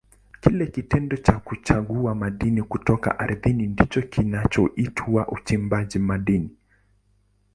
Kile kitendo cha kuchukua madini kutoka ardhini ndicho kinachoitwa uchimbaji madini.